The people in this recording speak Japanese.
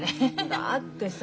だってさ